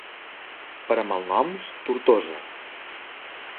Per a malnoms, Tortosa.